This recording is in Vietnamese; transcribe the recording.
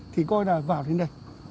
thì coi là vào đến đây